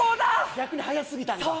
逆に速すぎたんだ。